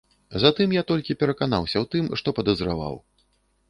Затым я толькі пераканаўся ў тым, што падазраваў.